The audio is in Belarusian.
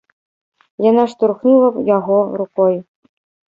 Яна штурхнула яго рукой.